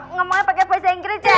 ngomongnya pakai bahasa inggris ya